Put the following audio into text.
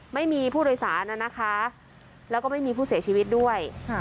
ไม่มีผู้โดยสารนะคะแล้วก็ไม่มีผู้เสียชีวิตด้วย